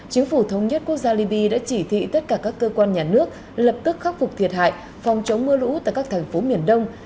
chính phủ thống nhất quốc gia libya đã chỉ thị tất cả các cơ quan nhà nước lập tức khắc phục thiệt hại phòng chống mưa lũ tại các thành phố miền đông